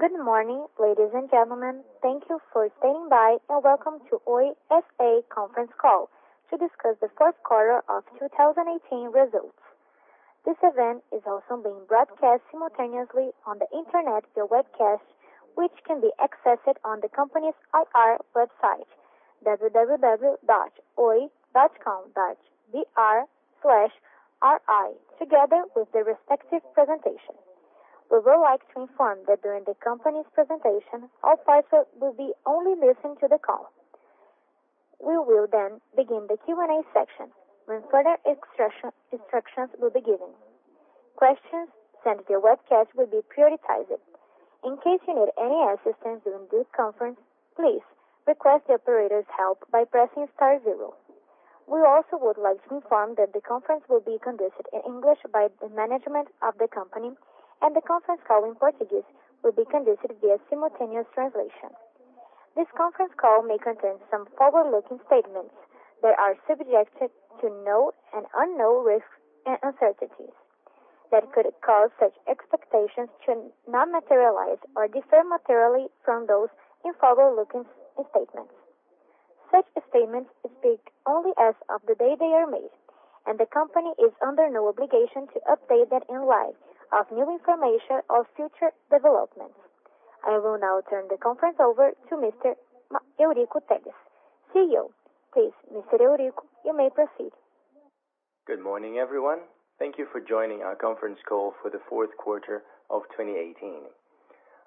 Good morning, ladies and gentlemen. Thank you for standing by. Welcome to Oi S.A. conference call to discuss the fourth quarter of 2018 results. This event is also being broadcast simultaneously on the internet via webcast, which can be accessed on the company's IR website, www.oi.com.br/ri, together with the respective presentation. We would like to inform that during the company's presentation, all parties will be only listening to the call. We will begin the Q&A section when further instructions will be given. Questions sent via webcast will be prioritized. In case you need any assistance during this conference, please request the operator's help by pressing star zero. We would like to inform that the conference will be conducted in English by the management of the company, and the conference call in Portuguese will be conducted via simultaneous translation. This conference call may contain some forward-looking statements that are subjected to known and unknown risks and uncertainties that could cause such expectations to not materialize or differ materially from those in forward-looking statements. Such statements speak only as of the day they are made. The company is under no obligation to update them in light of new information or future developments. I will now turn the conference over to Mr. Eurico Teles, CEO. Please, Mr. Eurico, you may proceed. Good morning, everyone. Thank you for joining our conference call for the fourth quarter of 2018.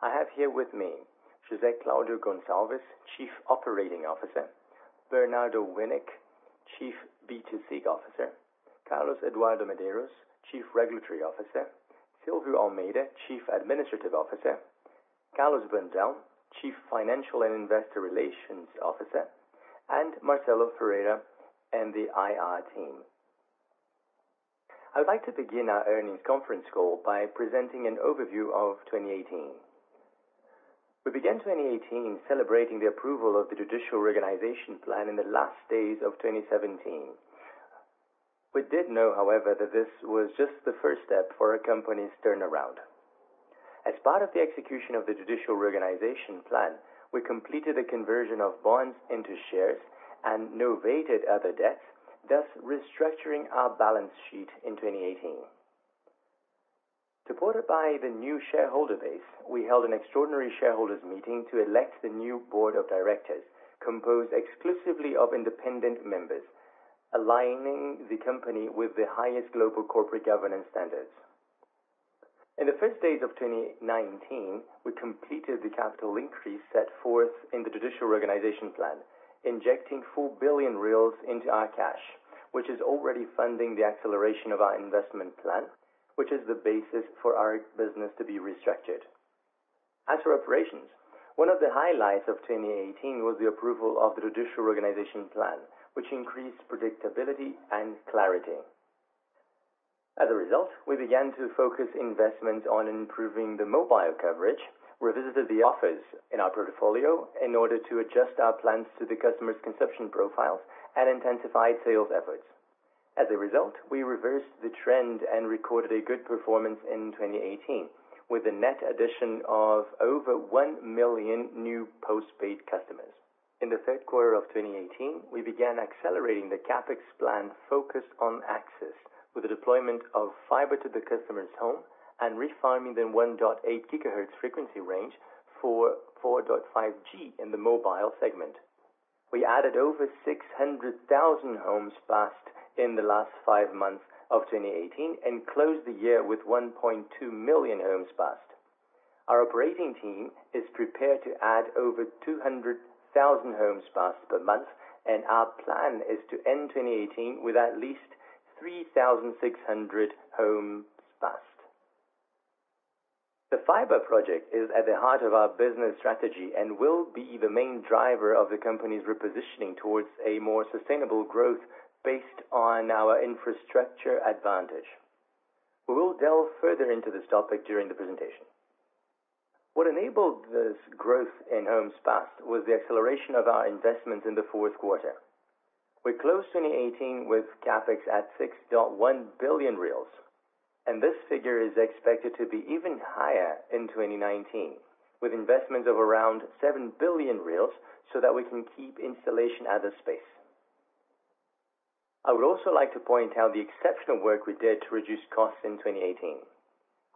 I have here with me Jose Claudio Goncalves, Chief Operating Officer, Bernardo Winik, Chief B2C Officer, Carlos Eduardo Medeiros, Chief Regulatory Officer, Silvio Almeida, Chief Administrative Officer, Carlos Brandão, Chief Financial and Investor Relations Officer, and Marcelo Ferreira and the IR team. I would like to begin our earnings conference call by presenting an overview of 2018. We began 2018 celebrating the approval of the judicial reorganization plan in the last days of 2017. We did know, however, that this was just the first step for our company's turnaround. As part of the execution of the judicial reorganization plan, we completed the conversion of bonds into shares and novated other debts, thus restructuring our balance sheet in 2018. Supported by the new shareholder base, we held an extraordinary shareholders meeting to elect the new board of directors, composed exclusively of independent members, aligning the company with the highest global corporate governance standards. In the first days of 2019, we completed the capital increase set forth in the judicial reorganization plan, injecting 4 billion reais into our cash, which is already funding the acceleration of our investment plan, which is the basis for our business to be restructured. As for operations, one of the highlights of 2018 was the approval of the judicial organization plan, which increased predictability and clarity. As a result, we began to focus investments on improving the mobile coverage, revisited the offers in our portfolio in order to adjust our plans to the customer's consumption profiles, and intensified sales efforts. As a result, we reversed the trend and recorded a good performance in 2018 with a net addition of over one million new postpaid customers. In the third quarter of 2018, we began accelerating the CapEx plan focused on access with the deployment of fiber to the customer's home and refarming the 1.8 GHz frequency range for 4.5G in the mobile segment. We added over 600,000 homes passed in the last five months of 2018 and closed the year with 1.2 million homes passed. Our operating team is prepared to add over 200,000 homes passed per month, and our plan is to end 2018 with at least 3,600 homes passed. The fiber project is at the heart of our business strategy and will be the main driver of the company's repositioning towards a more sustainable growth based on our infrastructure advantage. We will delve further into this topic during the presentation. What enabled this growth in homes passed was the acceleration of our investment in the fourth quarter. We closed 2018 with CapEx at 6.1 billion reais and this figure is expected to be even higher in 2019 with investments of around 7 billion reais so that we can keep installation at a space. I would also like to point out the exceptional work we did to reduce costs in 2018.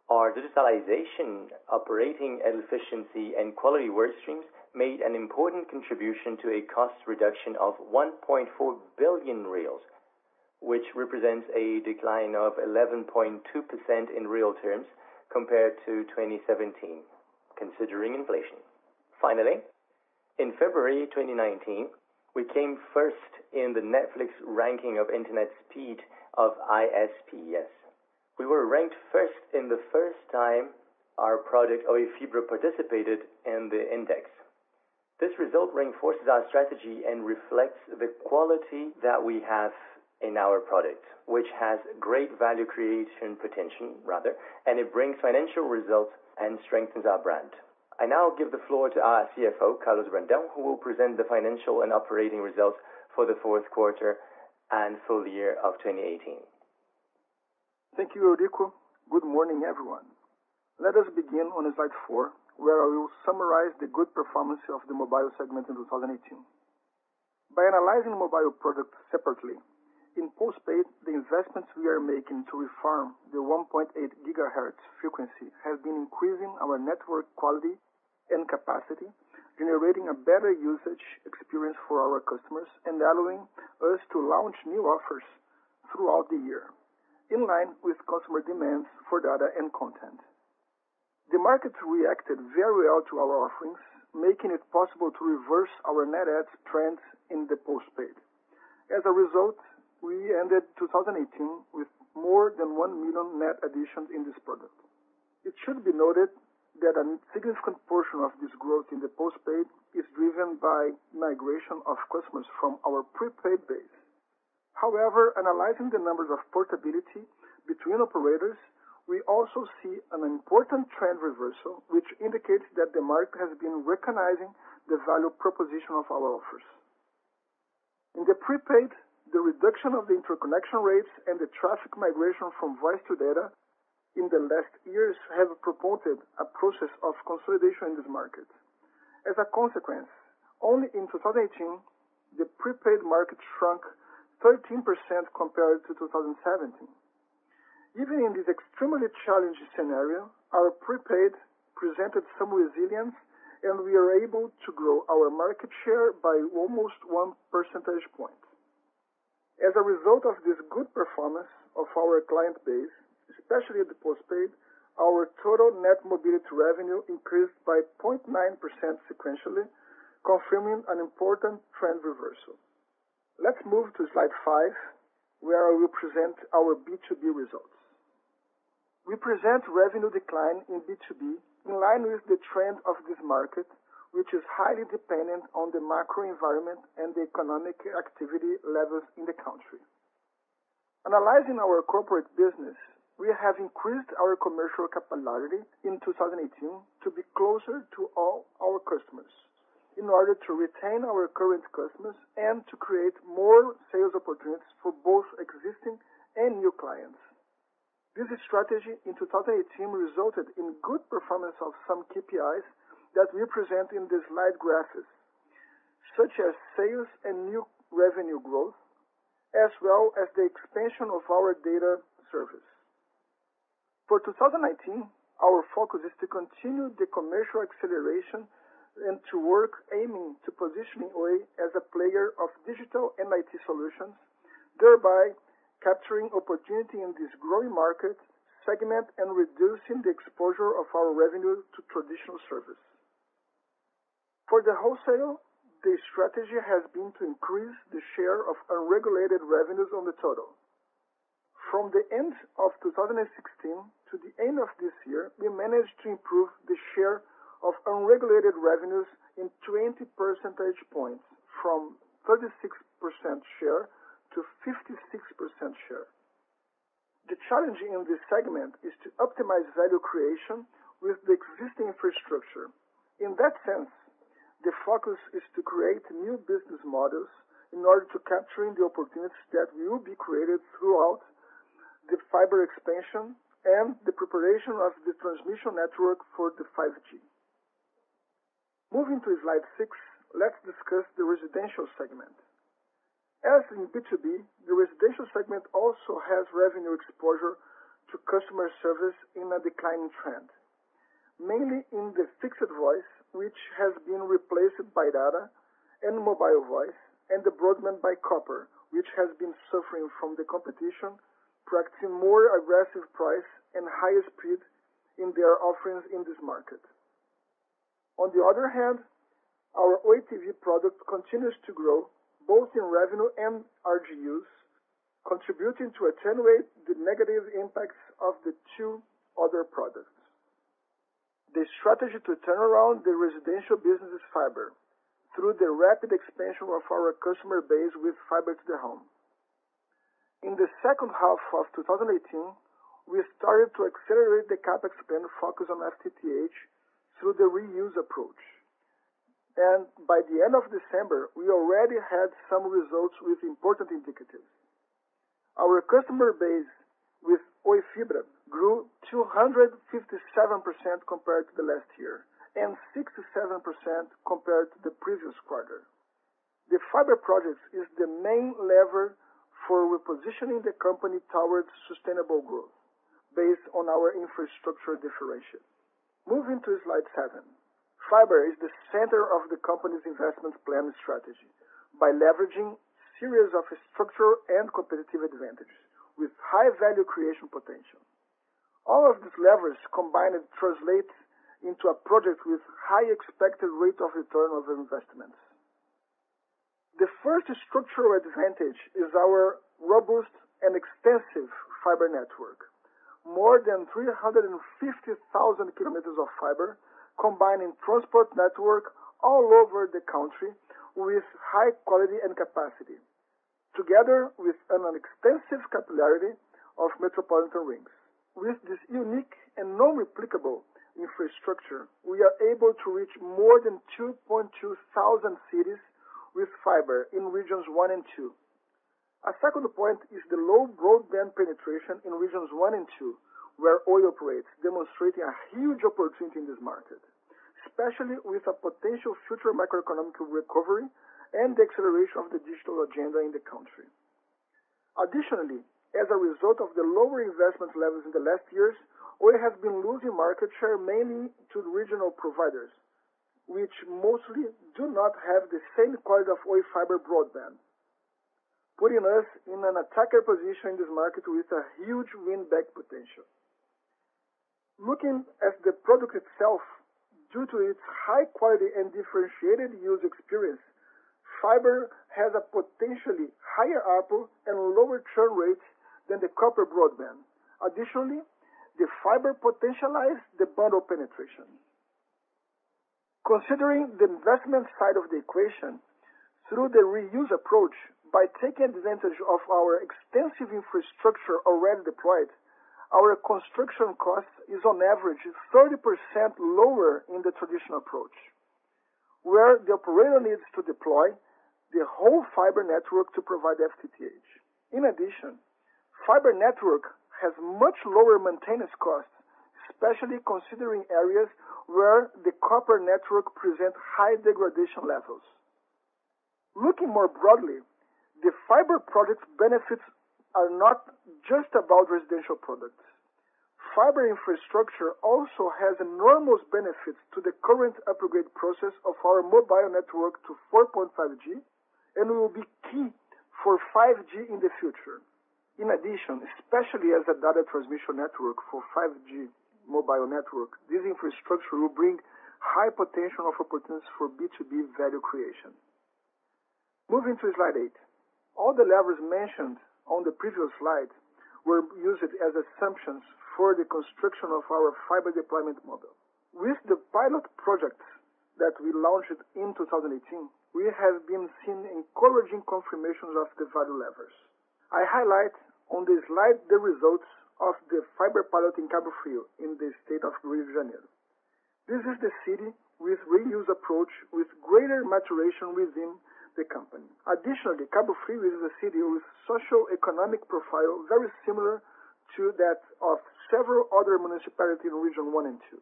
Our digitalization operating efficiency and quality work streams made an important contribution to a cost reduction of 1.4 billion reais, which represents a decline of 11.2% in real terms compared to 2017 considering inflation. Finally, in February 2019, we came first in the Netflix ranking of internet speed of ISPs. We were ranked first in the first time our product Oi Fibra participated in the index. This result reinforces our strategy and reflects the quality that we have in our product, which has great value creation potential, and it brings financial results and strengthens our brand. I now give the floor to our CFO, Carlos Brandão, who will present the financial and operating results for the fourth quarter and full year of 2018. Thank you, Eurico. Good morning, everyone. Let us begin on slide four, where I will summarize the good performance of the mobile segment in 2018. By analyzing mobile products separately, in postpaid, the investments we are making to reform the 1.8 GHz frequency has been increasing our network quality and capacity, generating a better usage experience for our customers and allowing us to launch new offers throughout the year, in line with customer demands for data and content. The market reacted very well to our offerings, making it possible to reverse our net add trends in the postpaid. As a result, we ended 2018 with more than one million net additions in this product. It should be noted that a significant portion of this growth in the postpaid is driven by migration of customers from our prepaid base. However, analyzing the numbers of portability between operators, we also see an important trend reversal, which indicates that the market has been recognizing the value proposition of our offers. In the prepaid, the reduction of the interconnection rates and the traffic migration from voice to data in the last years have purported a process of consolidation in this market. Only in 2018, the prepaid market shrunk 13% compared to 2017. Even in this extremely challenging scenario, our prepaid presented some resilience, and we are able to grow our market share by almost one percentage point. As a result of this good performance of our client base, especially the postpaid, our total net mobility revenue increased by 0.9% sequentially, confirming an important trend reversal. Let's move to slide five, where I will present our B2B results. We present revenue decline in B2B in line with the trend of this market, which is highly dependent on the macro environment and the economic activity levels in the country. Analyzing our corporate business, we have increased our commercial capillarity in 2018 to be closer to all our customers in order to retain our current customers and to create more sales opportunities for both existing and new clients. This strategy in 2018 resulted in good performance of some KPIs that we present in the slide graphs, such as sales and new revenue growth, as well as the expansion of our data service. For 2019, our focus is to continue the commercial acceleration and to work aiming to position Oi as a player of digital ICT solutions, thereby capturing opportunity in this growing market segment and reducing the exposure of our revenue to traditional service. For the wholesale, the strategy has been to increase the share of unregulated revenues on the total. From the end of 2016 to the end of this year, we managed to improve the share of unregulated revenues in 20 percentage points, from 36% share-56% share. The challenge in this segment is to optimize value creation with the existing infrastructure. In that sense, the focus is to create new business models in order to capturing the opportunities that will be created throughout the fiber expansion and the preparation of the transmission network for the 5G. Moving to slide six, let's discuss the residential segment. As in B2B, the residential segment also has revenue exposure to customer service in a declining trend, mainly in the fixed voice, which has been replaced by data and mobile voice and the broadband by copper, which has been suffering from the competition, practicing more aggressive price and higher speed in their offerings in this market. Our Oi TV product continues to grow both in revenue and RGUs, contributing to attenuate the negative impacts of the two other products. The strategy to turn around the residential business is fiber, through the rapid expansion of our customer base with fiber to the home. In the second half of 2018, we started to accelerate the CapEx spend focus on FTTH through the reuse approach. By the end of December, we already had some results with important indicators. Our customer base with Oi Fibra grew 257% compared to the last year, and 67% compared to the previous quarter. The fiber project is the main lever for repositioning the company towards sustainable growth based on our infrastructure differentiation. Moving to slide seven. Fiber is the center of the company's investment plan strategy by leveraging series of structural and competitive advantages with high value creation potential. All of these levers combined translate into a project with high expected rate of return over investments. The first structural advantage is our robust and extensive fiber network. More than 350,000 km of fiber, combining transport network all over the country with high quality and capacity, together with an extensive capillarity of metropolitan rings. With this unique and non-replicable infrastructure, we are able to reach more than 2,200 cities with fiber in Regions 1 and 2. Our second point is the low broadband penetration in Regions 1 and 2, where Oi operates, demonstrating a huge opportunity in this market, especially with a potential future macroeconomic recovery and the acceleration of the digital agenda in the country. Additionally, as a result of the lower investment levels in the last years, Oi has been losing market share, mainly to regional providers, which mostly do not have the same quality of Oi Fibra broadband, putting us in an attacker position in this market with a huge win-back potential. Looking at the product itself, due to its high quality and differentiated user experience, fiber has a potentially higher ARPU and lower churn rates than the copper broadband. Additionally, the fiber potentialize the bundle penetration. Considering the investment side of the equation, through the reuse approach, by taking advantage of our extensive infrastructure already deployed, our construction cost is on average 30% lower in the traditional approach, where the operator needs to deploy the whole fiber network to provide FTTH. In addition, fiber network has much lower maintenance costs, especially considering areas where the copper network present high degradation levels. Looking more broadly, the fiber product benefits are not just about residential products. Fiber infrastructure also has enormous benefits to the current upgrade process of our mobile network to 4.5G, and will be key for 5G in the future. In addition, especially as a data transmission network for 5G mobile network, this infrastructure will bring high potential of opportunity for B2B value creation. Moving to slide eight. All the levers mentioned on the previous slide were used as assumptions for the construction of our fiber deployment model. With the pilot projects that we launched in 2018, we have been seeing encouraging confirmations of the value levers. I highlight on the slide the results of the fiber pilot in Cabo Frio, in the state of Rio de Janeiro. This is the city with reuse approach, with greater maturation within the company. Additionally, Cabo Frio is a city with socioeconomic profile very similar to that of several other municipalities in Regions 1 and 2.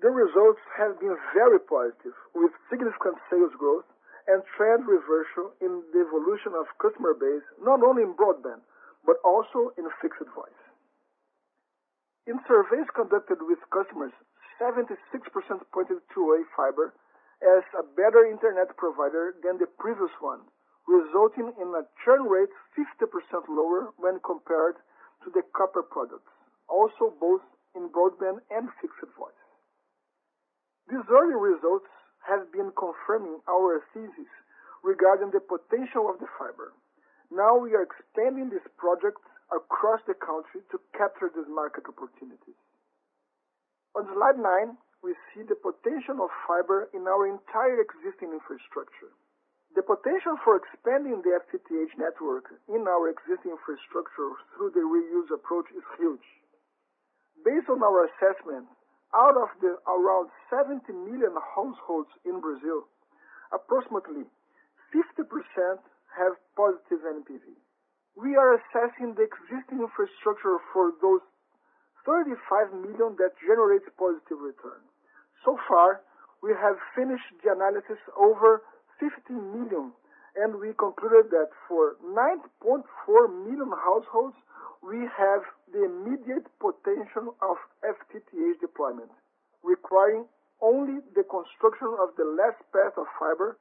The results have been very positive, with significant sales growth and trend reversal in the evolution of customer base, not only in broadband but also in fixed voice. In surveys conducted with customers, 76% pointed to Oi Fibra as a better internet provider than the previous one, resulting in a churn rate 50% lower when compared to the copper products, also both in broadband and fixed voice. These early results have been confirming our thesis regarding the potential of the fiber. Now we are expanding this project across the country to capture these market opportunities. On slide nine, we see the potential of fiber in our entire existing infrastructure. The potential for expanding the FTTH network in our existing infrastructure through the reuse approach is huge. Based on our assessment, out of the around 70 million households in Brazil, approximately 50% have positive NPV. We are assessing the existing infrastructure for those 35 million that generate positive return. So far, we have finished the analysis over 15 million, and we concluded that for 9.4 million households, we have the immediate potential of FTTH deployment, requiring only the construction of the last path of fiber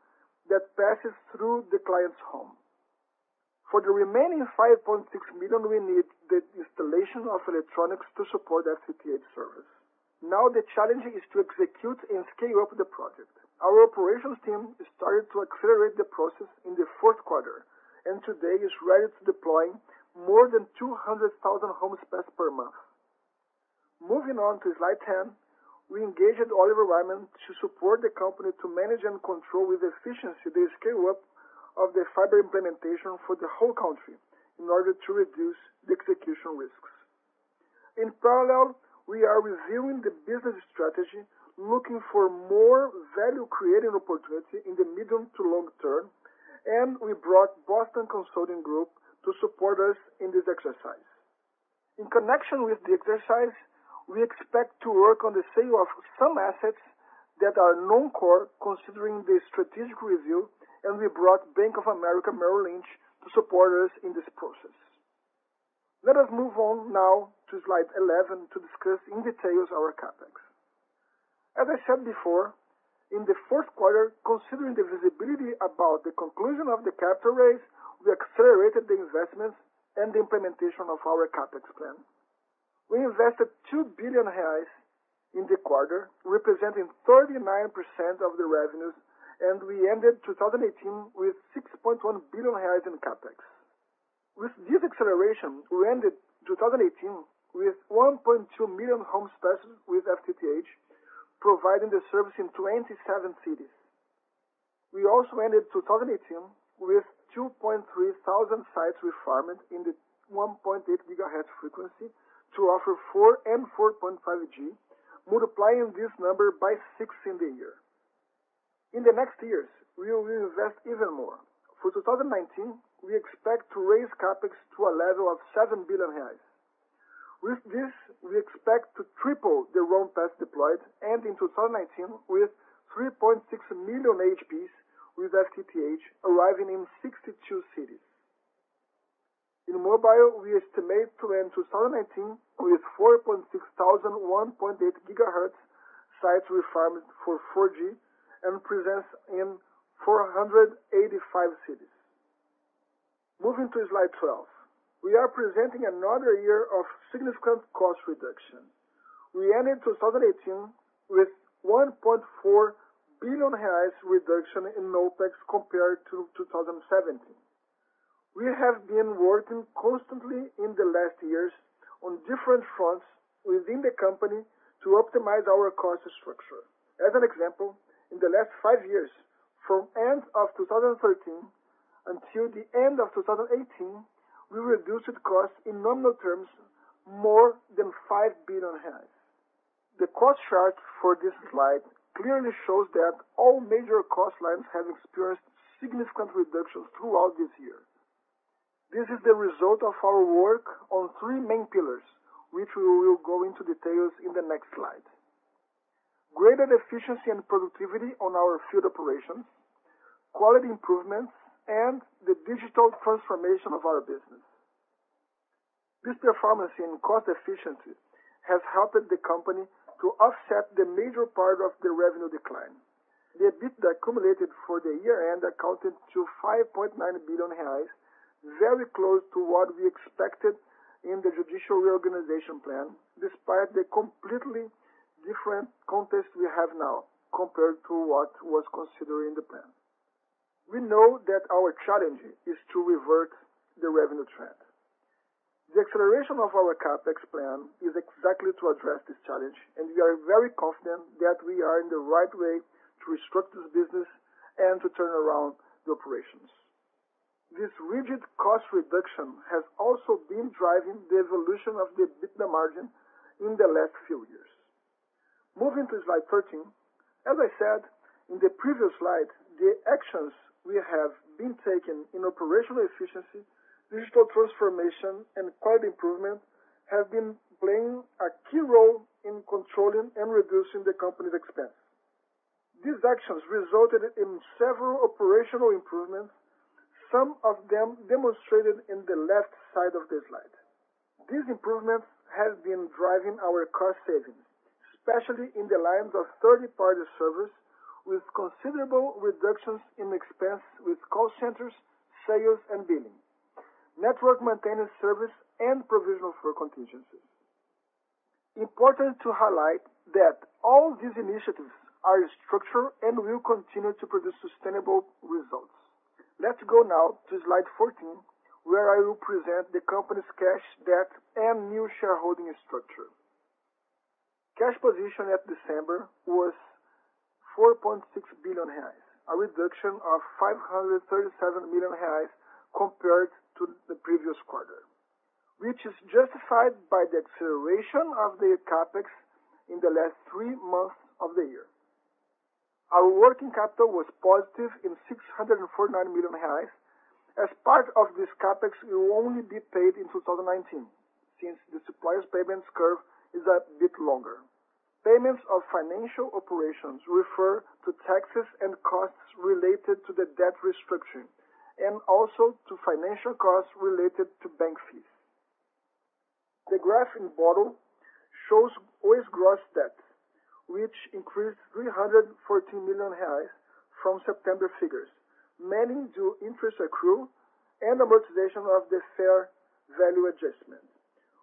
that passes through the client's home. For the remaining 5.6 million, we need the installation of electronics to support FTTH service. Now the challenge is to execute and scale up the project. Our operations team started to accelerate the process in the fourth quarter, and today is ready to deploy more than 200,000 homes passed per month. Moving on to slide 10. We engaged Oliver Wyman to support the company to manage and control with efficiency the scale-up of the fiber implementation for the whole country in order to reduce the execution risks. In parallel, we are reviewing the business strategy, looking for more value-creating opportunity in the medium to long term and we brought Boston Consulting Group to support us in this exercise. In connection with the exercise, we expect to work on the sale of some assets that are non-core, considering the strategic review, and we brought Bank of America Merrill Lynch to support us in this process. Let us move on now to slide 11 to discuss in details our CapEx. As I said before, in the fourth quarter, considering the visibility about the conclusion of the capital raise, we accelerated the investments and the implementation of our CapEx plan. We invested 2 billion reais in the quarter, representing 39% of the revenues and we ended 2018 with 6.1 billion reais in CapEx. With this acceleration, we ended 2018 with 1.2 million homes passes with FTTH, providing the service in 27 cities. We also ended 2018 with 2,300 sites refarmed in the 1.8 GHz frequency to offer 4G and 4.5G, multiplying this number by six in the year. In the next years, we will invest even more. For 2019, we expect to raise CapEx to a level of 7 billion reais. With this, we expect to triple the roam paths deployed and in 2019 with 3.6 million HPs with FTTH arriving in 62 cities. In mobile, we estimate to end 2019 with 4,600 1.8 GHz sites refarmed for 4G and presence in 485 cities. Moving to slide 12. We are presenting another year of significant cost reduction. We ended 2018 with 1.4 billion reduction in OPEX compared to 2017. We have been working constantly in the last years on different fronts within the company to optimize our cost structure. As an example, in the last five years from end of 2013 until the end of 2018, we reduced costs in nominal terms more than 5 billion reais. The cost chart for this slide clearly shows that all major cost lines have experienced significant reductions throughout this year. This is the result of our work on three main pillars, which we will go into details in the next slide. Greater efficiency and productivity on our field operations, quality improvements, and the digital transformation of our business. This performance in cost efficiency has helped the company to offset the major part of the revenue decline. The EBITDA accumulated for the year-end accounted to 5.9 billion reais, very close to what we expected in the judicial reorganization plan, despite the completely different context we have now compared to what was considered in the plan. We know that our challenge is to revert the revenue trend. The acceleration of our CapEx plan is exactly to address this challenge, and we are very confident that we are in the right way to restructure the business and to turn around the operations. This rigid cost reduction has also been driving the evolution of the EBITDA margin in the last few years. Moving to slide 13. As I said in the previous slide, the actions we have been taking in operational efficiency, digital transformation, and quality improvement have been playing a key role in controlling and reducing the company's expense. These actions resulted in several operational improvements, some of them demonstrated in the left side of the slide. These improvements have been driving our cost savings, especially in the lines of third-party service, with considerable reductions in expense with call centers, sales and billing, network maintenance service, and provision for contingencies. Important to highlight that all these initiatives are structural and will continue to produce sustainable results. Let's go now to slide 14, where I will present the company's cash, debt, and new shareholding structure. Cash position at December was 4.6 billion reais, a reduction of 537 million reais compared to the previous quarter, which is justified by the acceleration of the CapEx in the last three months of the year. Our working capital was positive in 649 million reais as part of this CapEx will only be paid in 2019, since the suppliers' payments curve is a bit longer. Payments of financial operations refer to taxes and costs related to the debt restructuring and also to financial costs related to bank fees. The graph in bottom shows Oi's gross debt, which increased 314 million reais from September figures, mainly due to interest accrual and amortization of the fair value adjustment,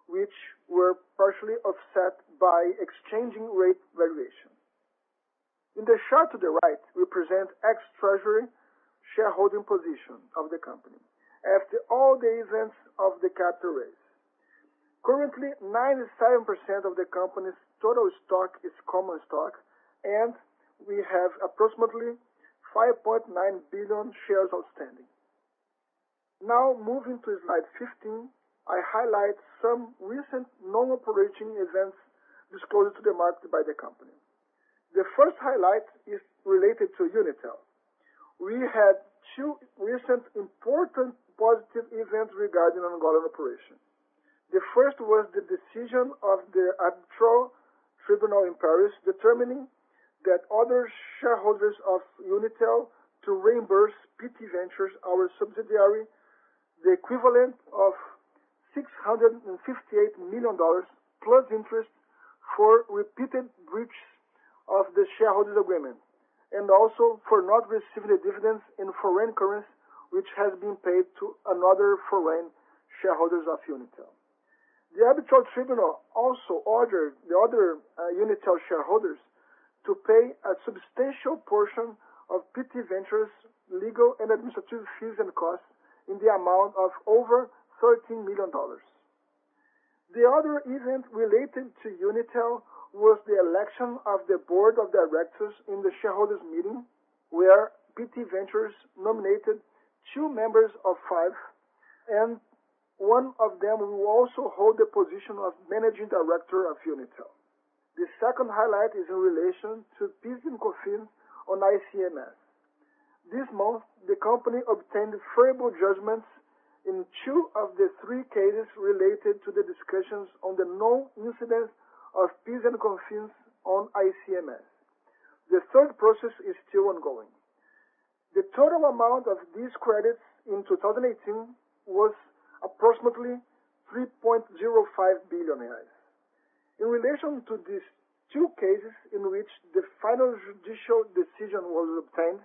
which were partially offset by exchange rate variation. In the chart to the right, we present ex treasury shareholding position of the company after all the events of the capital raise. Currently, 97% of the company's total stock is common stock, and we have approximately 5.9 billion shares outstanding. Now, moving to slide 15, I highlight some recent non-operating events disclosed to the market by the company. The first highlight is related to Unitel. We had two recent important positive events regarding Angolan operation. The first was the decision of the Arbitral Tribunal in Paris, determining that other shareholders of Unitel to reimburse PT Ventures, our subsidiary, the equivalent of $658 million, plus interest for repeated breaches of the shareholders' agreement, and also for not receiving the dividends in foreign currency, which has been paid to another foreign shareholders of Unitel. The Arbitral Tribunal also ordered the other Unitel shareholders to pay a substantial portion of PT Ventures' legal and administrative fees and costs in the amount of over $13 million. The other event related to Unitel was the election of the board of directors in the shareholders meeting, where PT Ventures nominated two members of five, and one of them will also hold the position of managing director of Unitel. The second highlight is in relation to PIS/Cofins on ICMS. This month, the company obtained favorable judgments in two of the three cases related to the discussions on the non-incidence of PIS and Cofins on ICMS. The third process is still ongoing. The total amount of these credits in 2018 was approximately 3.05 billion reais. In relation to these two cases in which the final judicial decision was obtained,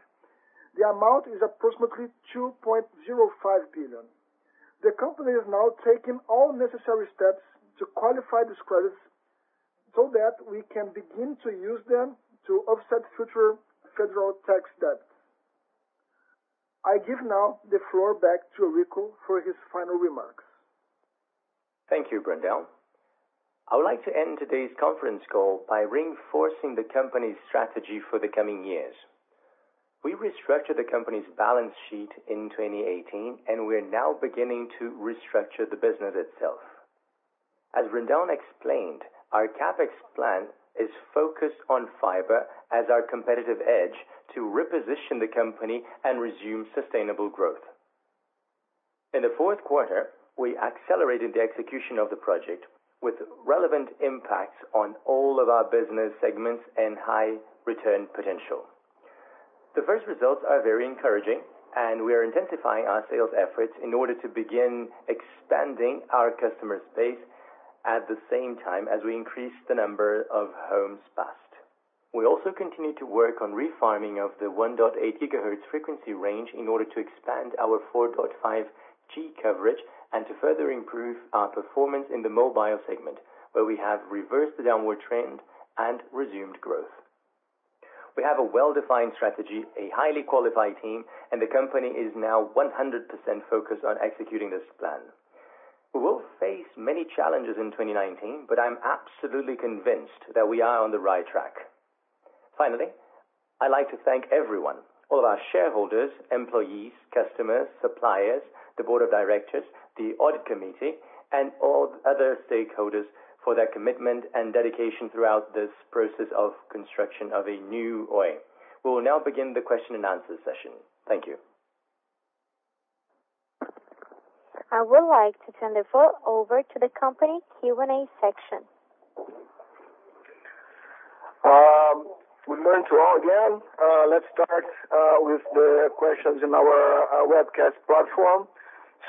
the amount is approximately 2.05 billion. The company is now taking all necessary steps to qualify these credits so that we can begin to use them to offset future federal tax debt. I give now the floor back to Rico for his final remarks. Thank you, Brandão. I would like to end today's conference call by reinforcing the company's strategy for the coming years. We restructured the company's balance sheet in 2018, and we're now beginning to restructure the business itself. As Brandão explained, our CapEx plan is focused on fiber as our competitive edge to reposition the company and resume sustainable growth. In the fourth quarter, we accelerated the execution of the project with relevant impacts on all of our business segments and high return potential. The first results are very encouraging, and we are intensifying our sales efforts in order to begin expanding our customer space, at the same time as we increase the number of homes passed. We also continue to work on refarming of the 1.8 GHz frequency range in order to expand our 4.5G coverage and to further improve our performance in the mobile segment, where we have reversed the downward trend and resumed growth. We have a well-defined strategy, a highly qualified team, and the company is now 100% focused on executing this plan. I'm absolutely convinced that we are on the right track. Finally, I'd like to thank everyone, all of our shareholders, employees, customers, suppliers, the board of directors, the audit committee, and all other stakeholders for their commitment and dedication throughout this process of construction of a new Oi. We will now begin the question and answer session. Thank you. I would like to turn the floor over to the company Q&A section. Good morning to all again. Let's start with the questions in our webcast platform.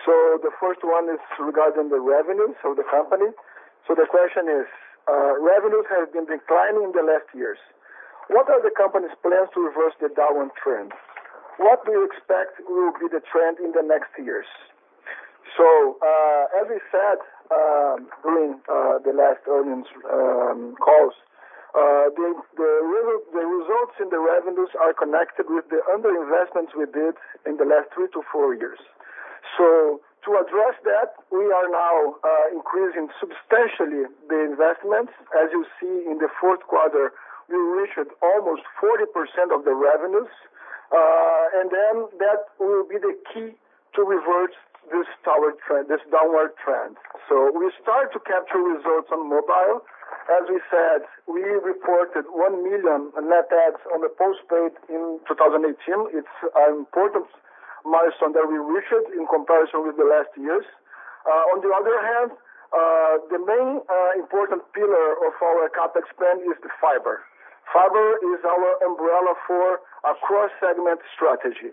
The first one is regarding the revenues of the company. The question is, revenues have been declining in the last years. What are the company's plans to reverse the downward trend? What do you expect will be the trend in the next years? As we said during the last earnings calls, the results in the revenues are connected with the underinvestments we did in the last three to four years. To address that, we are now increasing substantially the investments. As you see in the fourth quarter, we reached almost 40% of the revenues. That will be the key to reverse this downward trend. We start to capture results on mobile. As we said, we reported one million net adds on the postpaid in 2018. It's an important milestone that we reached in comparison with the last years. On the other hand, the main important pillar of our CapEx plan is the fiber. Fiber is our umbrella for a cross-segment strategy.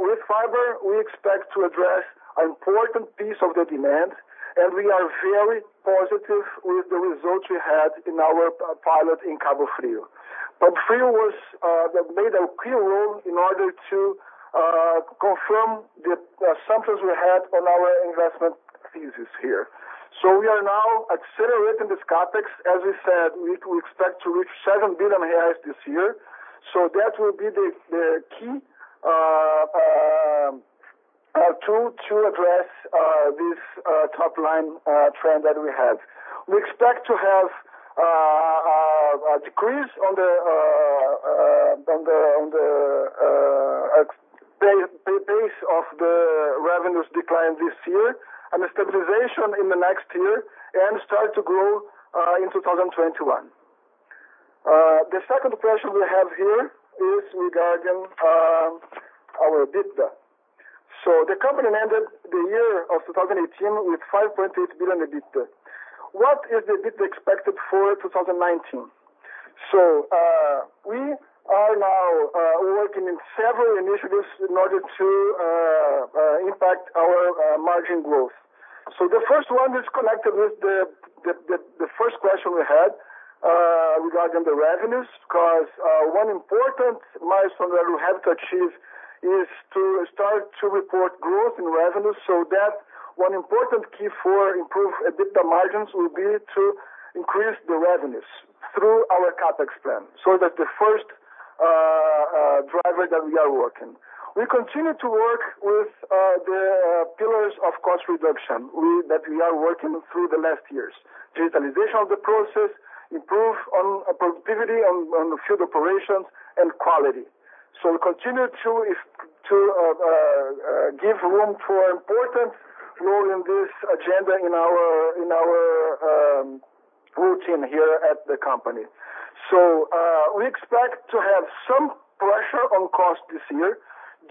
With fiber, we expect to address an important piece of the demand and we are very positive with the results we had in our pilot in Cabo Frio. Cabo Frio played a key role in order to confirm the assumptions we had on our investment thesis here. We are now accelerating this CapEx. As we said, we expect to reach 7 billion reais this year. That will be the key tool to address this top-line trend that we have. We expect to have a decrease on the base of the revenues decline this year and a stabilization in the next year and start to grow in 2021. The second question we have here is regarding our EBITDA. The company ended the year of 2018 with 5.8 billion EBITDA. What is the EBITDA expected for 2019? We are now working in several initiatives in order to impact our margin growth. The first one is connected with the first question we had regarding the revenues because one important milestone that we have to achieve is to start to report growth in revenues. That one important key for improved EBITDA margins will be to increase the revenues through our CapEx plan. That the first driver that we are working. We continue to work with the pillars of cost reduction that we are working through the last years. Digitalization of the process, improve on productivity on the field operations, and quality. We continue to give room for important role in this agenda in our routine here at the company. We expect to have some pressure on cost this year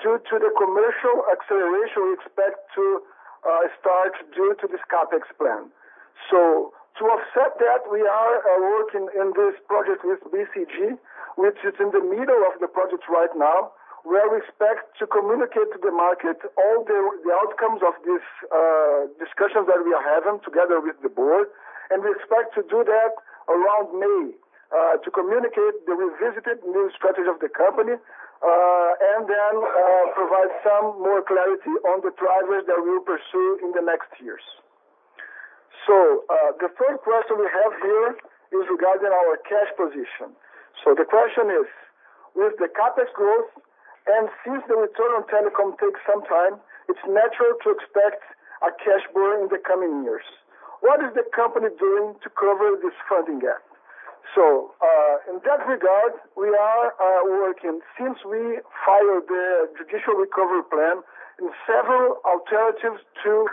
due to the commercial acceleration we expect to start due to this CapEx plan. To offset that, we are working in this project with BCG, which is in the middle of the project right now, where we expect to communicate to the market all the outcomes of these discussions that we are having together with the board. We expect to do that around May, to communicate the revisited new strategy of the company, then provide some more clarity on the drivers that we will pursue in the next years. The third question we have here is regarding our cash position. The question is: With the CapEx growth, since the return on telecom takes some time, it is natural to expect a cash burn in the coming years. What is the company doing to cover this funding gap? In that regard, we are working since we filed the judicial recovery plan in several alternatives to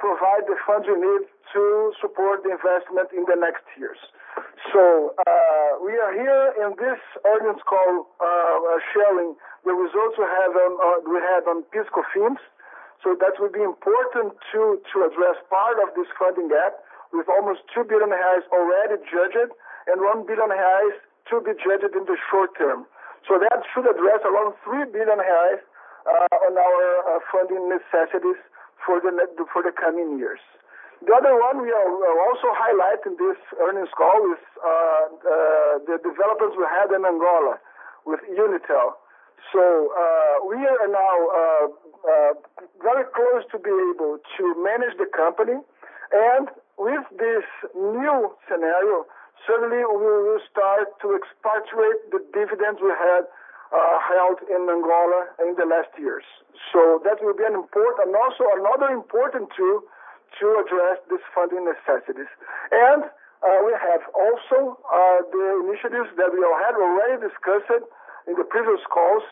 provide the funds we need to support the investment in the next years. We are here in this earnings call, showing the results we had on PIS/Cofins. That will be important to address part of this funding gap with almost 2 billion reais already judged, and 1 billion reais to be judged in the short term. That should address around 3 billion reais on our funding necessities for the coming years. The other one we are also highlighting this earnings call is the developments we had in Angola with Unitel. We are now very close to be able to manage the company. With this new scenario, certainly we will start to expatriate the dividends we had held in Angola in the last years. That will be an important, and also another important tool to address these funding necessities. We have also the initiatives that we have already discussed in the previous calls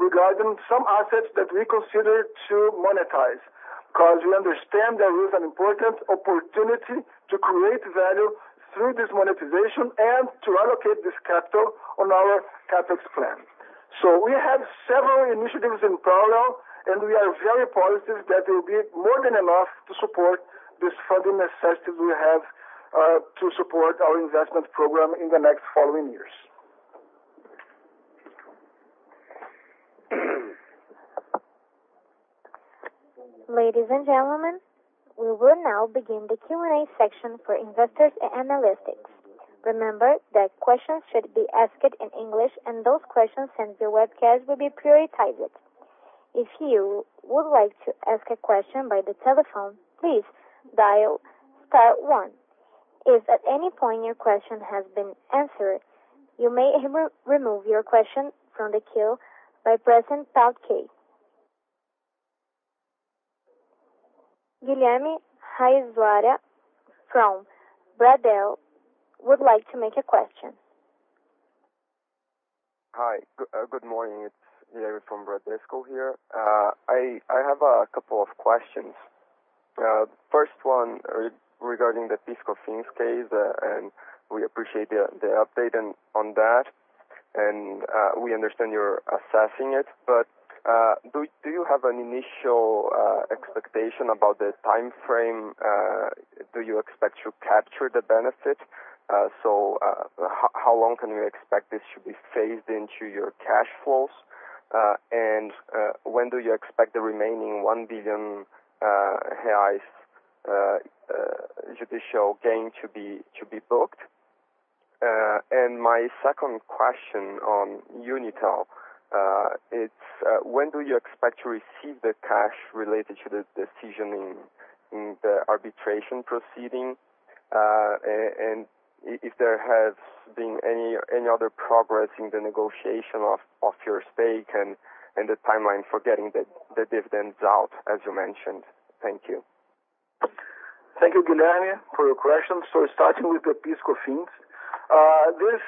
regarding some assets that we consider to monetize. Because we understand there is an important opportunity to create value through this monetization and to allocate this capital on our CapEx plan. We have several initiatives in parallel, and we are very positive that it will be more than enough to support this funding necessities we have to support our investment program in the next following years. Ladies and gentlemen, we will now begin the Q&A section for investors and analysts. Remember that questions should be asked in English, and those questions sent via webcast will be prioritized. If you would like to ask a question by the telephone, please dial star one. If at any point your question has been answered, you may remove your question from the queue by pressing pound key. Guilherme Haguiara from Bradesco would like to make a question. Hi. Good morning. It is Guilherme from Bradesco here. I have a couple of questions. First one regarding the PIS/Cofins case. We appreciate the update on that. We understand you are assessing it. Do you have an initial expectation about the timeframe do you expect to capture the benefit? How long can we expect this to be phased into your cash flows? When do you expect the remaining 1 billion reais judicial gain to be booked? My second question on Unitel. When do you expect to receive the cash related to the decision in the arbitration proceeding? If there has been any other progress in the negotiation of your stake and the timeline for getting the dividends out as you mentioned. Thank you. Thank you, Guilherme for your questions. Starting with the PIS/Cofins. This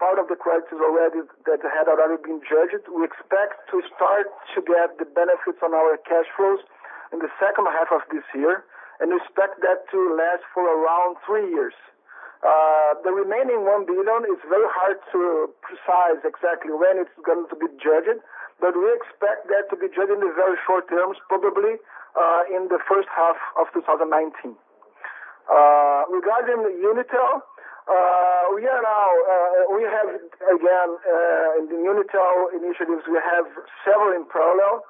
part of the credits that had already been judged, we expect to start to get the benefits on our cash flows in the second half of this year and we expect that to last for around three years. The remaining 1 billion is very hard to precise exactly when it is going to be judged. We expect that to be judged in the very short terms, probably in the first half of 2019. Regarding the Unitel, we have again, in the Unitel initiatives, we have several in parallel.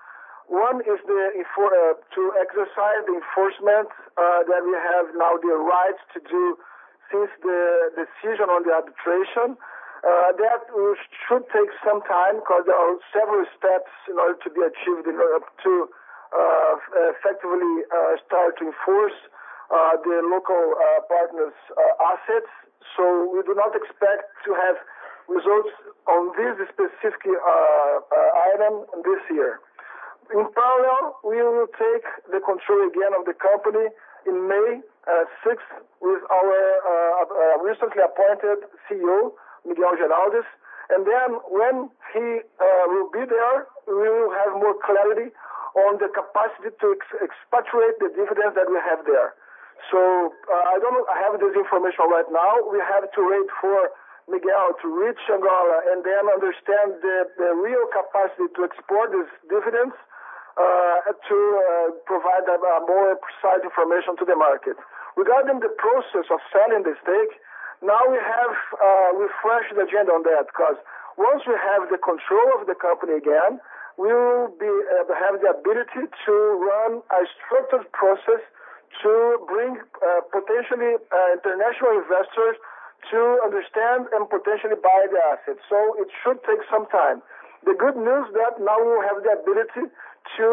One is to exercise the enforcement that we have now the rights to do since the decision on the arbitration. That should take some time because there are several steps in order to be achieved in order to effectively start to enforce the local partners assets. We do not expect to have results on this specific item this year. In parallel, we will take the control again of the company on May 6th with our recently appointed CEO, Miguel Giraldes. When he will be there, we will have more clarity on the capacity to expatriate the dividends that we have there. I do not have this information right now. We have to wait for Miguel to reach Angola, and then understand the real capacity to export these dividends, to provide a more precise information to the market. Regarding the process of selling the stake, now we have refreshed the agenda on that, because once we have the control of the company again, we will have the ability to run a structured process to bring potentially international investors to understand and potentially buy the assets. It should take some time. The good news is that now we have the ability to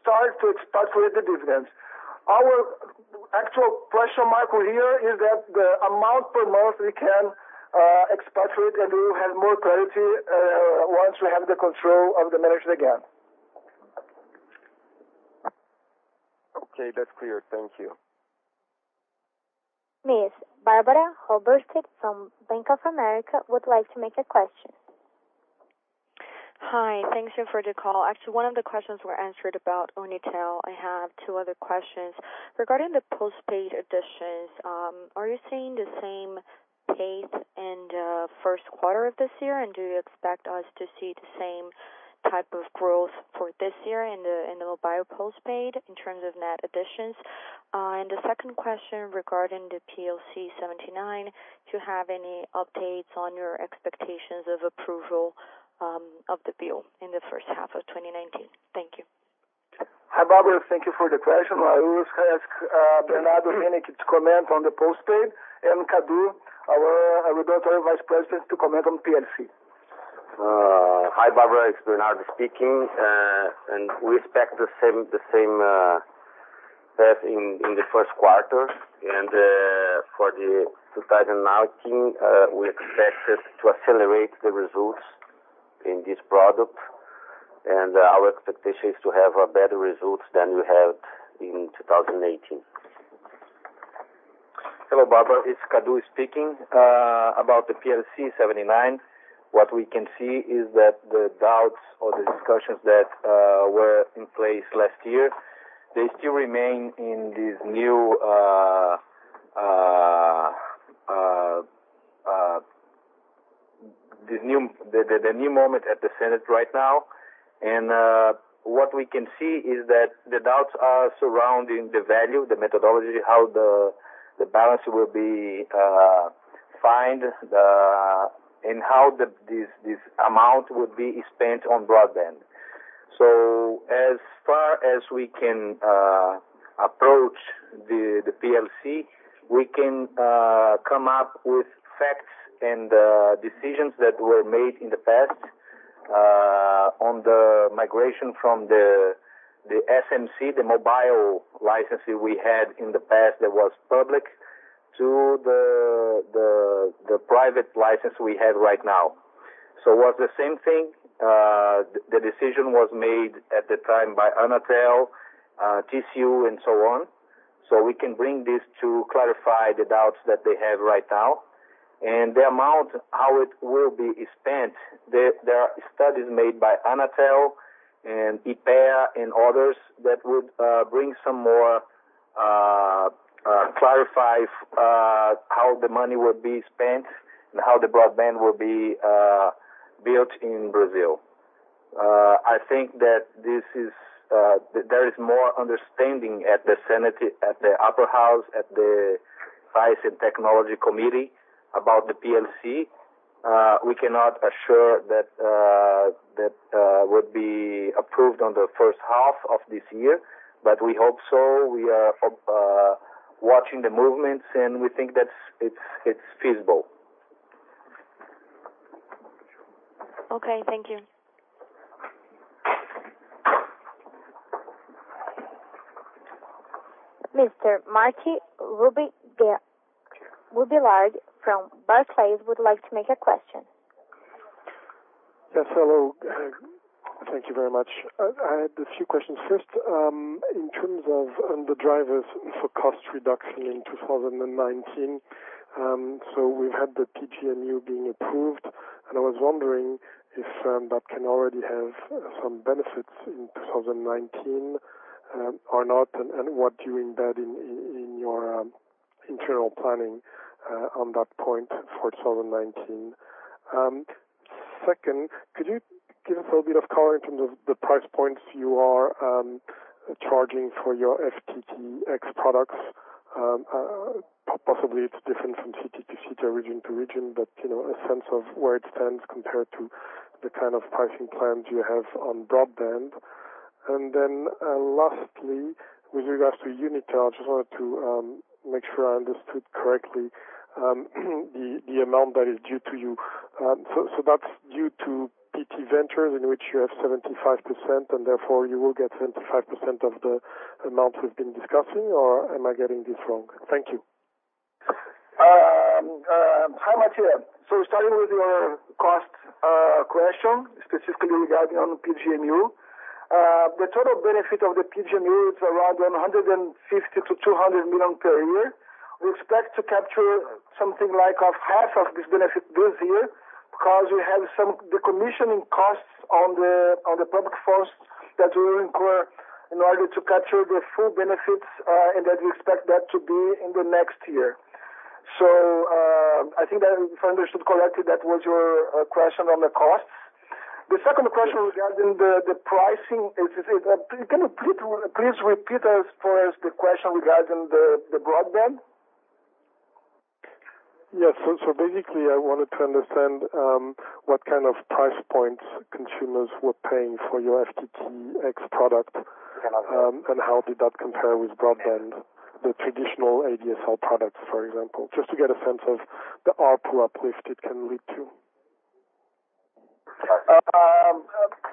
start to expatriate the dividends. Our actual question mark here is that the amount per month we can expatriate. We will have more clarity once we have the control of the management again. Okay. That's clear. Thank you. Miss Barbara Halberstadt from Bank of America would like to make a question. Hi. Thanks for the call. Actually, one of the questions were answered about Unitel. I have two other questions. Regarding the postpaid additions, are you seeing the same pace in the first quarter of this year, do you expect us to see the same type of growth for this year in the mobile postpaid in terms of net additions? The second question regarding the PLC 79, do you have any updates on your expectations of approval of the bill in the first half of 2019? Thank you. Hi, Barbara. Thank you for the question. I will ask Bernardo Winik to comment on the postpaid, and Cadu, our auditor Vice President to comment on PLC. Hi, Barbara. It's Bernardo speaking. We expect the same path in the first quarter. For 2019, we expected to accelerate the results in this product and our expectation is to have better results than we had in 2018. Hello, Barbara. It's Cadu speaking. About the PLC 79, what we can see is that the doubts or the discussions that were in place last year, they still remain in the new moment at the Senate right now. What we can see is that the doubts are surrounding the value, the methodology, how the balance will be found, and how this amount would be spent on broadband. As far as we can approach the PLC, we can come up with facts and decisions that were made in the past on the migration from the SMC, the mobile licensing we had in the past that was public, to the private license we have right now. It was the same thing. The decision was made at the time by ANATEL, TCU, and so on. We can bring this to clarify the doubts that they have right now. The amount, how it will be spent, there are studies made by ANATEL and Ipea and others that would bring some more clarify how the money will be spent and how the broadband will be built in Brazil. I think that there is more understanding at the Senate, at the upper house, at the Science and Technology Committee about the PLC. We cannot assure that it would be approved on the first half of this year but we hope so. We are watching the movements and we think that it's feasible. Okay. Thank you. Mr. Mathieu Robilliard from Barclays would like to make a question. Yes, hello. Thank you very much. I had a few questions. First, in terms of the drivers for cost reduction in 2019. We've had the PGMU being approved, and I was wondering if that can already have some benefits in 2019, or not, and what you embed in your internal planning on that point for 2019. Second, could you give us a little bit of color in terms of the price points you are charging for your FTTx products? Possibly it's different from city to city or region to region but a sense of where it stands compared to the kind of pricing plans you have on broadband. Lastly, with regards to Unitel, I just wanted to make sure I understood correctly the amount that is due to you. That's due to PT Ventures in which you have 75%, and therefore you will get 75% of the amount we've been discussing, or am I getting this wrong? Thank you. Hi, Mathieu. Starting with your cost question, specifically regarding on the PGMU. The total benefit of the PGMU is around 150 million-200 million per year. We expect to capture something like half of this benefit this year because we have some decommissioning costs on the public force that we require in order to capture the full benefits and that we expect that to be in the next year. I think that if I understood correctly, that was your question on the costs. The second question regarding the pricing, can you please repeat for us the question regarding the broadband? Yes. Basically, I wanted to understand what kind of price points consumers were paying for your FTTx product. Okay. How did that compare with broadband, the traditional ADSL products, for example, just to get a sense of the ARPU uplift it can lead to.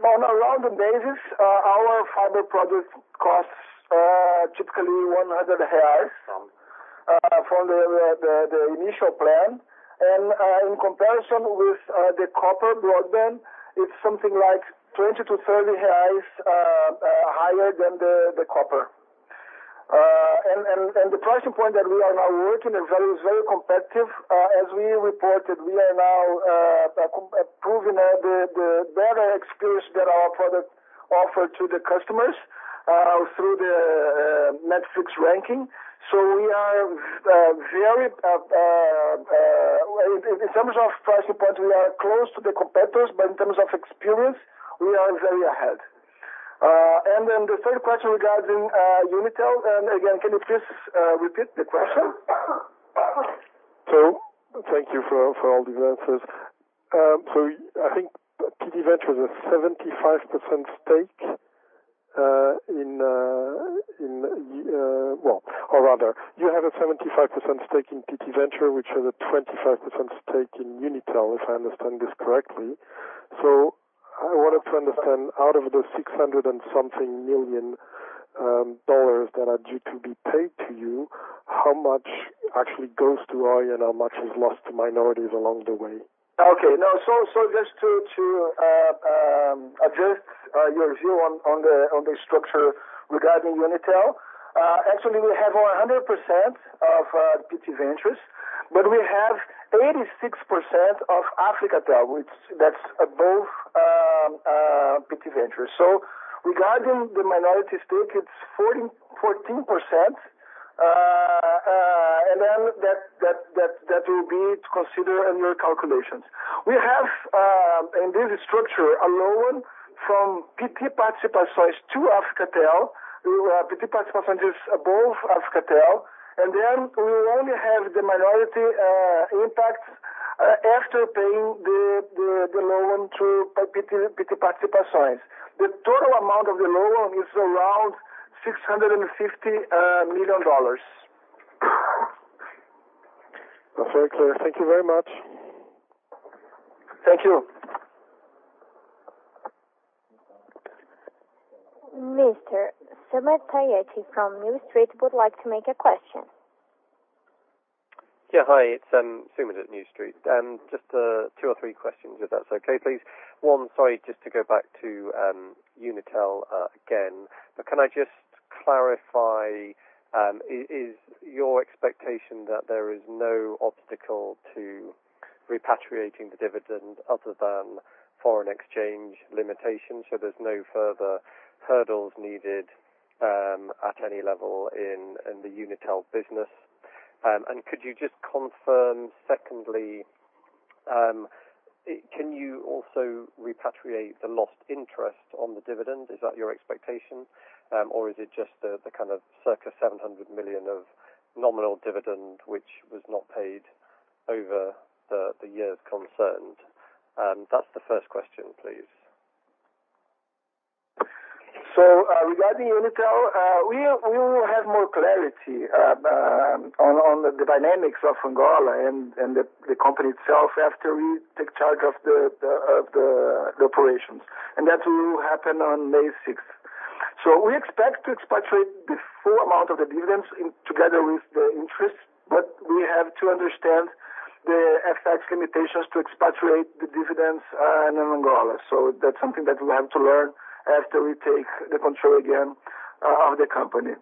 On a random basis, our fiber product costs typically 100 reais from the initial plan. In comparison with the copper broadband, it's something like 20-30 reais higher than the copper. The pricing point that we are now working is very competitive. As we reported, we are now proving the better experience that our product offer to the customers through the Netflix ranking. In terms of price point, we are close to the competitors but in terms of experience, we are very ahead. The third question regarding Unitel, again, can you please repeat the question? Thank you for all the answers. I think PT Ventures is a 75% stake in. Well, or rather, you have a 75% stake in PT Ventures which has a 25% stake in Unitel, if I understand this correctly. I wanted to understand out of the $600 and something million that are due to be paid to you, how much actually goes to Oi and how much is lost to minorities along the way? Okay. Just to address your view on the structure regarding Unitel. Actually, we have 100% of PT Ventures but we have 86% of Africatel. That is above PT Ventures. Regarding the minority stake, it is 14%, and that will be to consider in your calculations. We have, in this structure, a loan from PT Participações to Africatel. PT Participações is above Africatel, and we only have the minority impact after paying the loan to PT Participações. The total amount of the loan is around $650 million. That is very clear. Thank you very much. Thank you. Mr. Soomit Datta from New Street would like to make a question. Hi, it's Soomit at New Street. Just two or three questions, if that's okay, please. One, sorry, just to go back to Unitel again. Can I just clarify, is your expectation that there is no obstacle to repatriating the dividend other than foreign exchange limitations, so there's no further hurdles needed at any level in the Unitel business? Could you just confirm, secondly, can you also repatriate the lost interest on the dividend? Is that your expectation? Is it just the kind of circa 700 million of nominal dividend which was not paid over the years concerned? That's the first question, please. Regarding Unitel, we will have more clarity on the dynamics of Angola and the company itself after we take charge of the operations. That will happen on May 6th. We expect to expatriate the full amount of the dividends together with the interest, we have to understand the FX limitations to expatriate the dividends in Angola. That's something that we have to learn after we take the control again of the company.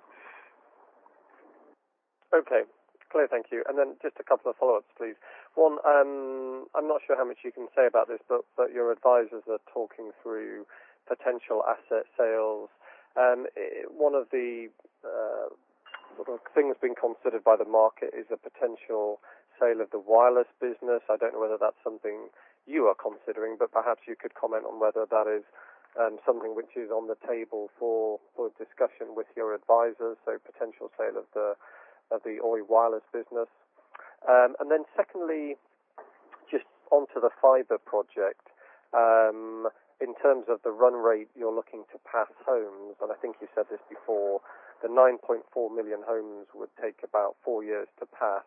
Okay. Clear. Thank you. Just a couple of follow-ups, please. One, I'm not sure how much you can say about this, your advisors are talking through potential asset sales. One of the things being considered by the market is a potential sale of the wireless business. I don't know whether that's something you are considering, perhaps you could comment on whether that is something which is on the table for discussion with your advisors, so potential sale of the Oi wireless business. Secondly, just onto the fiber project. In terms of the run rate you're looking to pass homes, I think you said this before, the 9.4 million homes would take about four years to pass,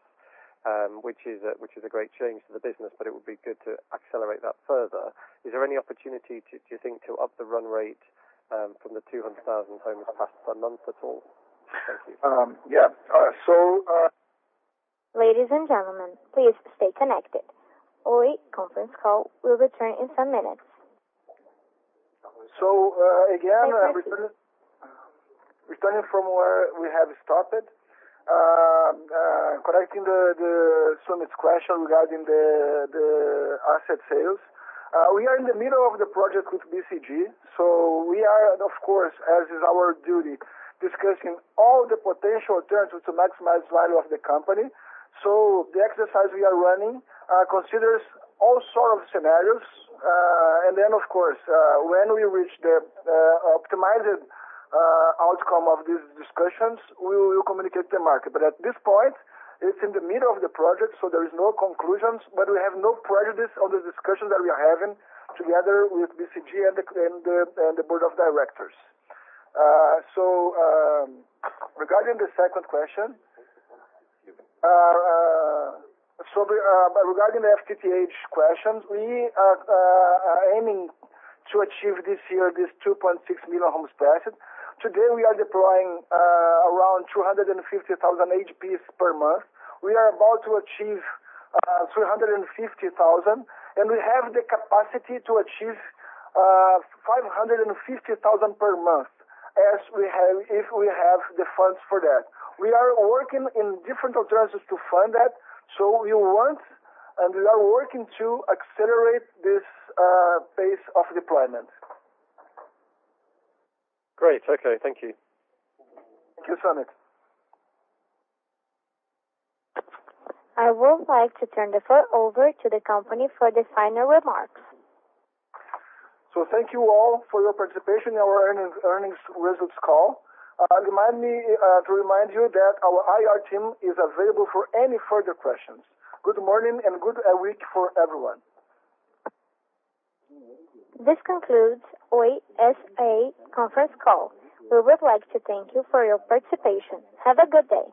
which is a great change to the business, it would be good to accelerate that further. Is there any opportunity, do you think, to up the run rate from the 200,000 homes passed per month at all? Thank you. Yeah. Ladies and gentlemen, please stay connected. Oi conference call will return in some minutes. So again- Please wait. Returning from where we have stopped, correcting Soomit's question regarding the asset sales. We are in the middle of the project with BCG, we are, and of course, as is our duty, discussing all the potential alternatives to maximize value of the company. The exercise we are running considers all sort of scenarios, of course, when we reach the optimized outcome of these discussions, we will communicate to the market. At this point, it's in the middle of the project, there is no conclusions, we have no prejudice on the discussion that we are having together with BCG and the board of directors. Regarding the second question. Regarding the FTTH questions, we are aiming to achieve this year this 2.6 million homes passed. Today, we are deploying around 250,000 HPs per month. We are about to achieve 350,000. We have the capacity to achieve 550,000 per month if we have the funds for that. We are working in different alternatives to fund that. We want and we are working to accelerate this pace of deployment. Great. Okay. Thank you. Thank you, Soomit. I would like to turn the floor over to the company for the final remarks. Thank you all for your participation in our earnings results call. Allow me to remind you that our IR team is available for any further questions. Good morning and good week for everyone. This concludes Oi S.A. conference call. We would like to thank you for your participation. Have a good day.